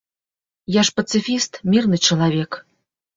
Я ж пацыфіст, мірны чалавек.